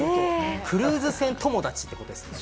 クルーズ船友達ってことですか。